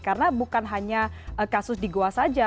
karena bukan hanya kasus di goa saja